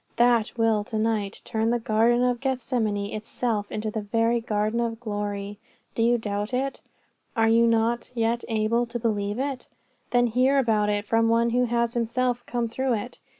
that will to night turn the garden of Gethsemane itself into the very garden of Glory. Do you doubt it? Are you not yet able to believe it? Then hear about it from One who has Himself come through it.